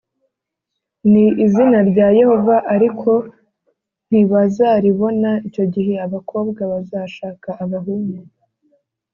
Ni izina rya Yehova ariko ntibazaribona Icyo gihe abakobwa bazashaka abahungu